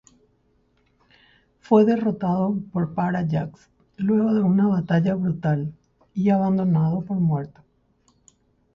Fue derrotado por Parallax luego de una batalla brutal, y abandonado por muerto.